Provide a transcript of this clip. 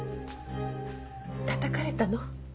たたかれたの？